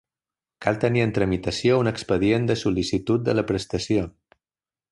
Cal tenir en tramitació un expedient de sol·licitud de la prestació.